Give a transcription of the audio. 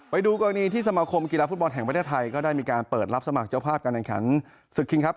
ไปดูกรณีที่สมาคมกีฬาฟุตบอลแห่งประเทศไทยก็ได้มีการเปิดรับสมัครเจ้าภาพการแข่งขันศึกคิงครับ